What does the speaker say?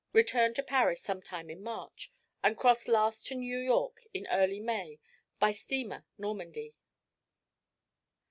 Returned to Paris some time in March, and crossed last to New York in early May by steamer Normandie.'